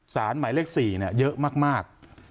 หมายเลข๔เยอะมาก